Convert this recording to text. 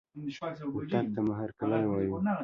رتګ ته مو هرکلى وايو